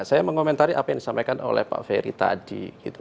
saya mengomentari apa yang disampaikan oleh pak ferry tadi